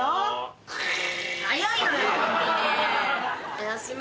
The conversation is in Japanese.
おやすみ。